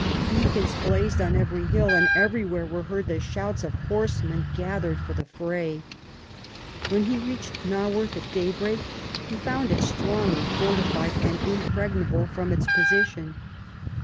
Beacons blazed on every hill, and every where were heard the shouts of horsemen gathering for the fray. When he reached Naworth, at daybreak, he found it strongly fortified and impregnable from its position.